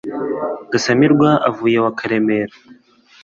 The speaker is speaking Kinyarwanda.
Gasamirwa avuye iwa Karemera.